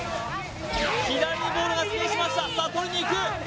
左にボールが出現しましたさあとりにいく！